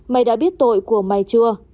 mày đã biết tội của mày chưa